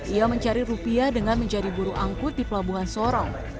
ia mencari rupiah dengan menjadi buru angkut di pelabuhan sorong